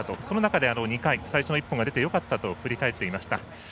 その中で２回、最初の一本が出てよかったと振り返っていました。